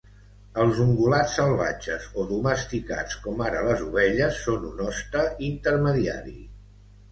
Els ungulats salvatges o domesticats, com ara les ovelles, són un hoste intermediari.